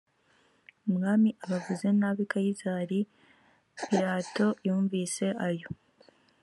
umwami aba avuze nabi kayisari d pilato yumvise ayo